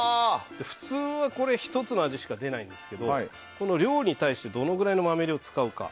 普通は１つの味しか出ないんですけどこの量に対してどのぐらいの豆量を使うか。